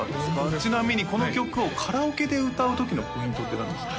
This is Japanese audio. ちなみにこの曲をカラオケで歌う時のポイントって何ですか？